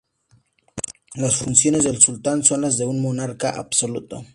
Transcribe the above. Las funciones del sultán son las de un monarca absoluto.